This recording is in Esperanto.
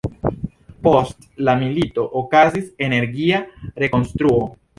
Post la milito okazis energia rekonstruo.